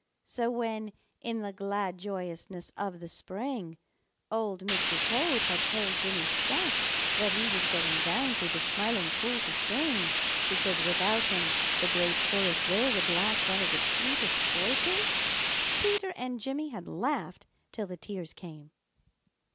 So when, in the glad joyousness of the spring, Old Mr. Toad had told Jimmy Skunk that he was going down to the Smiling Pool to sing because without him the great chorus there would lack one of its sweetest voices, Peter and Jimmy had laughed till the tears came.